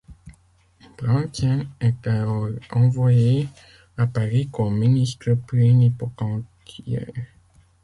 Brantsen est alors envoyé à Paris comme ministre plénipotentiaire.